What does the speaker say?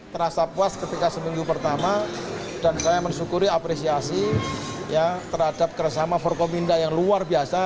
terasa puas ketika seminggu pertama dan saya mensyukuri apresiasi terhadap kerjasama forkominda yang luar biasa